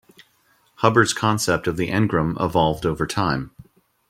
Hubbard's concept of the engram evolved over time.